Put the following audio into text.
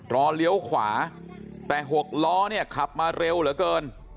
เลี้ยวขวาแต่หกล้อเนี่ยขับมาเร็วเหลือเกิน